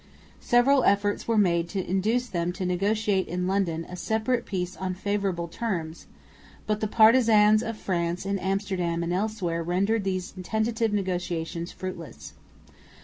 Several efforts were made to induce them to negotiate in London a separate peace on favourable terms, but the partisans of France in Amsterdam and elsewhere rendered these tentative negotiations fruitless.